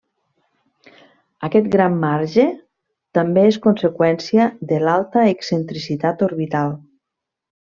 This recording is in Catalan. Aquest gran marge també és conseqüència de l'alta excentricitat orbital.